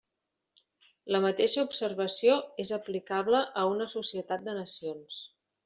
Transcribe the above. La mateixa observació és aplicable a una societat de nacions.